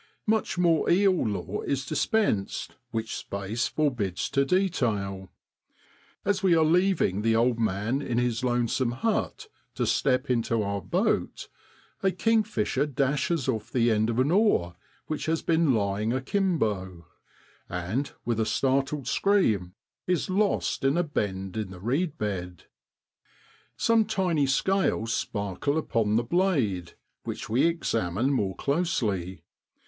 Much more eel lore is dispensed, which space forbids to detail. As we are leaving the old man in his lonesome hut, to step into our boat, a kingfisher 52 MAT IN BROADLAND. dashes off the end of an oar which has been lying akimbo, and with a startled scream is lost in a bend in the reed bed. Some tiny scales sparkle upon the blade, which we examine more closely.